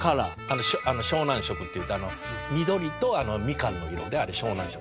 湘南色っていって緑とミカンの色であれ湘南色。